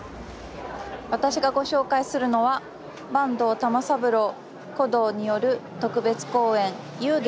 私がご紹介するのは坂東玉三郎鼓童による特別公演「幽玄」です。